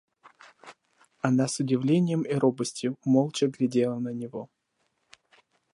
Она с удивлением и робостью молча глядела на него.